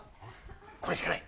これしかない。